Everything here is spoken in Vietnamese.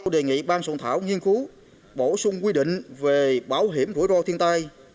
đề nghị ban sổng thảo nghiên cứu bổ sung quy định về bảo hiểm rủi ro thiên tai